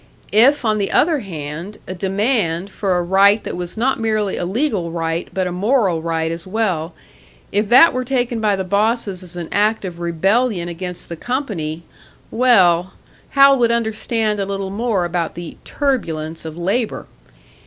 If on the other hand a demand for a right that was not merely a legal right, but a moral right as well if that were taken by the bosses as an act of rebellion against the company well, Hal would understand a little more about the "turbulence" of labour!